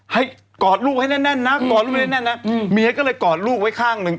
กอดลูกให้แน่นนะกอดลูกไว้แน่นนะเมียก็เลยกอดลูกไว้ข้างหนึ่ง